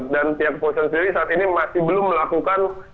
dan pihak polisi sendiri saat ini masih belum melakukan